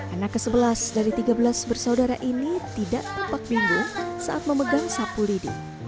anak ke sebelas dari tiga belas bersaudara ini tidak tampak bingung saat memegang sapu lidi